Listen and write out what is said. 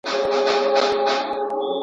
زه ولي ژړېدم.